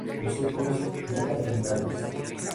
¿vosotros no partiríais?